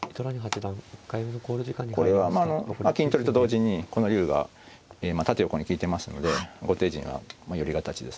これは金取りと同時にこの竜が縦横に利いてますので後手陣は寄り形ですので。